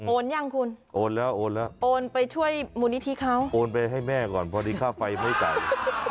โอนยังคุณโอนไปช่วยมูลนิธิเขาโอนไปให้แม่ก่อนพอดีข้าวไฟไม่ไกล